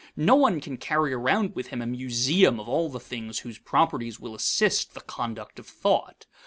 No one can carry around with him a museum of all the things whose properties will assist the conduct of thought.